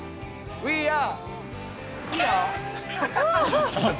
ウィー・アー。